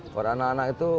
kalau anak anak itu